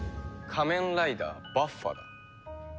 仮面ライダーバッファだ。